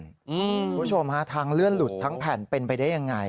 คุณผู้ชมฮะทางเลื่อนหลุดทั้งแผ่นเป็นไปได้ยังไง